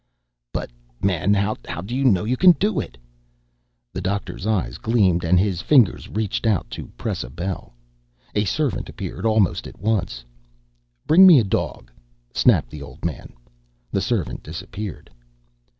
"But, man, how do you know you can do it?" The doctor's eyes gleamed and his fingers reached out to press a bell. A servant appeared almost at once. "Bring me a dog," snapped the old man. The servant disappeared.